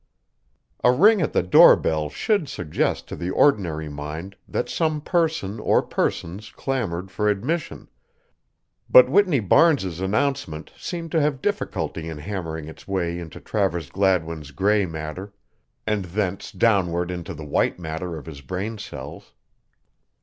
A ring at the door bell should suggest to the ordinary mind that some person or persons clamored for admission, but Whitney Barnes's announcement seemed to have difficulty in hammering its way into Travers Gladwin's gray matter and thence downward into the white matter of his brain cells.